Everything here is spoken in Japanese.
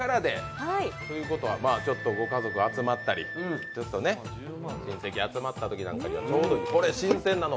ということは、ご家族集まったり、親戚が集まったときなんかにはちょうどいい、これ新鮮なの。